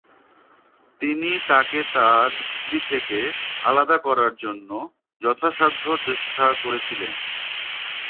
তিনি তাকে তার স্ত্রী থেকে আলাদা করার জন্য যথাসাধ্য চেষ্টা করেছিলেন।